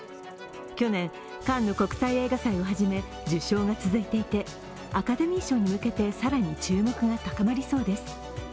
去年、カンヌ国際映画祭をはじめ受賞が続いていてアカデミー賞に向けて更に注目が高まりそうです。